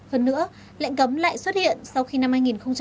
hơn nữa lệnh cấm lại xuất hiện sau khi năm hai nghìn hai mươi hai